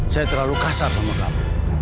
saya terlalu kasar sama kamu